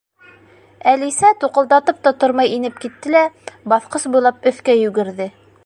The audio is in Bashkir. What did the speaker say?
Әлисә туҡылдатып та тормай инеп китте лә, баҫҡыс буйлап өҫкә йүгерҙе.